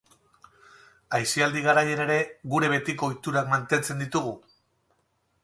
Aisialdi garaian ere gure betiko ohiturak mantentzen ditugu?